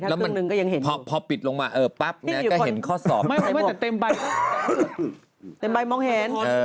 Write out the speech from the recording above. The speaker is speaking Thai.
แล้วมันพอปิดลงมาเออปั๊บเนี่ยก็เห็นข้อสอบไม่แต่เต็มใบมองเห็น